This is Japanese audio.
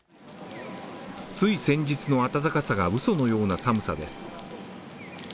つい先日の暖かさがうそのような寒さです。